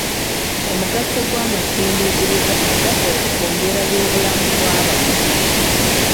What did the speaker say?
Omugatte gw’amasindiikiriza agakola ku mbeera y’obulamu bw’abantu.